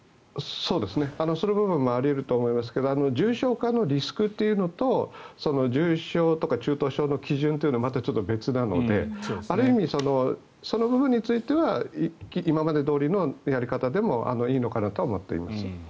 その部分もあり得ると思いますが重症化のリスクっていうのと重症とか中等症の基準はまたちょっと別なのである意味、その部分については今までどおりのやり方でもいいのかなと思っています。